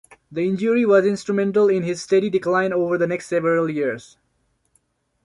The injury was instrumental in his steady decline over the next several years.